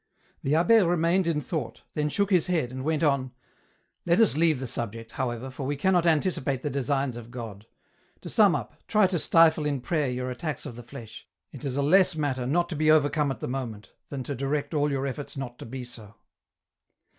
The abb^ remained in thought, then shook his head, and went on :" Let us leave the subject, however, for we cannot anticipate the designs of God ; to sum up, try to stifle in prayer your attacks of the flesh, it is a less matter not to be overcome at the moment, than to direct all your efforts not to be so."